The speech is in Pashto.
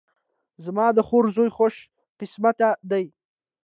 زما د خور زوی خوش قسمته ده